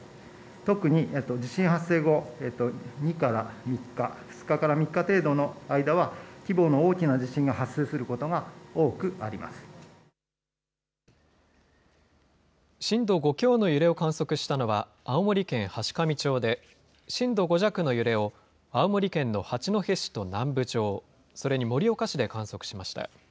特に地震発生後、２日から３日程度の間は規模の大きな地震が発生することが多くあ震度５強の揺れを観測したのは青森県階上町で、震度５弱の揺れを青森県の八戸市と南部町、それに盛岡市で観測しました。